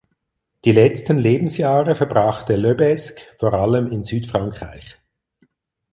Die letzten Lebensjahre verbrachte Lebesgue vor allem in Südfrankreich.